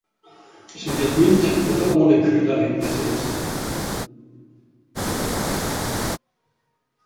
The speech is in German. Sie wird mit oder ohne Köder eingesetzt.